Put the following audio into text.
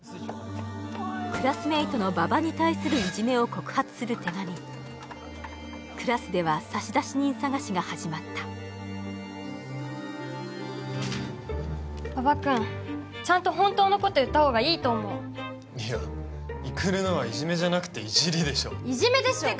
クラスメイトの馬場に対するいじめを告発する手紙クラスでは差出人探しが始まった馬場君ちゃんと本当のこと言った方がいいと思ういや育のはいじめじゃなくていじりでしょいじめでしょ！